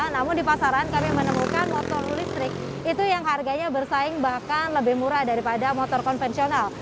namun di pasaran kami menemukan motor listrik itu yang harganya bersaing bahkan lebih murah daripada motor konvensional